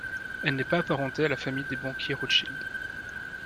Elle n'est pas apparentée à la famille des banquiers Rothschild.